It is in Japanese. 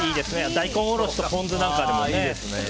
大根おろしとポン酢なんかでもね。